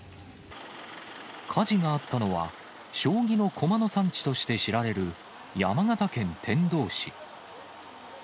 火事があったのは、将棋の駒の産地として知られる、山形県天童市。